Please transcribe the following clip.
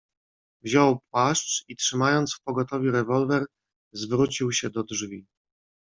"Wziął płaszcz i trzymając w pogotowiu rewolwer, zwrócił się do drzwi."